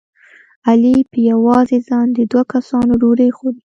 علي په یوازې ځان د دوه کسانو ډوډۍ خوري.